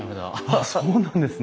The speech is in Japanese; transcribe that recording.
あっそうなんですね。